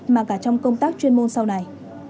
mà cả trong công tác chuyên môn sau này